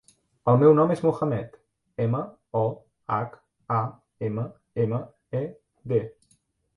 El meu nom és Mohammed: ema, o, hac, a, ema, ema, e, de.